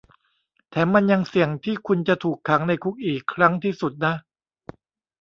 แถมมันยังเสี่ยงที่คุณจะถูกขังในคุกอีกครั้งที่สุดนะ